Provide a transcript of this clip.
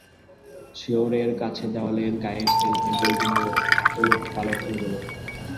শিয়রের কাছে দেয়ালের গায়ের শেলফে বইগুলো উলটপালট এলোমেলো।